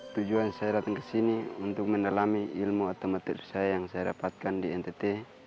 tujuan saya datang ke sini untuk mendalami ilmu otomatis saya yang saya dapatkan di ntt